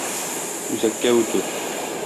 Үзәккә үтү.